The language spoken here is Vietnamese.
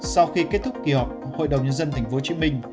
sau khi kết thúc kỳ họp hội đồng nhân dân tp hcm